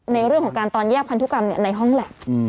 ในเรื่องของการตอนแยกพันธุกรรมในห้องแล็บ